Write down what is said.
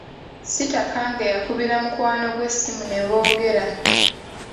Sitakange yakubira mukwano gwe essimu ne boogera.